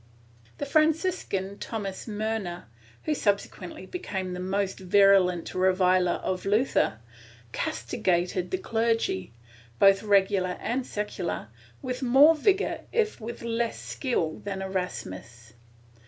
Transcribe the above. The Franciscan, Thomas Murner, who subsequently became the most virulent reviler of Luther, castigated the clergy, both regular and secular, with more vigor if with less skill than Erasmus.